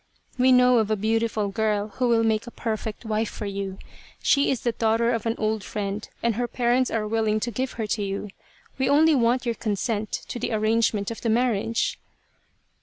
We know of a beautiful girl who will make a perfect wife for you. She is the daughter of an old friend, and her parents are willing to give her to you. We only want your consent to the arrangement of the mar riage."